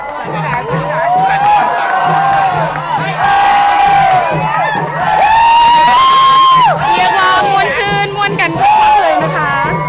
มีความมวลชื่นมวลกันทุกเลยนะคะ